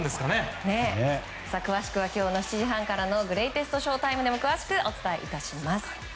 詳しくは今日の７時半からのグレイテストＳＨＯ‐ＴＩＭＥでも詳しくお伝えいたします。